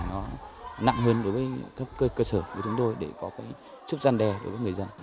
nó nặng hơn đối với cấp cơ sở của chúng tôi để có cái sức gian đe đối với người dân